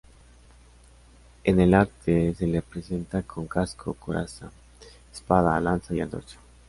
En el arte, se la representa con casco, coraza, espada, lanza y antorcha.